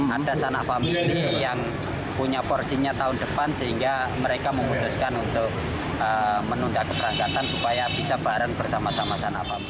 ada sanak family yang punya porsinya tahun depan sehingga mereka memutuskan untuk menunda keberangkatan supaya bisa bareng bersama sama sanak famil